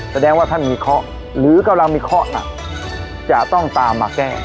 แสดงว่าท่านมีเคราะห์หรือกำลังมีเคราะห์หนักจะต้องตามมาแก้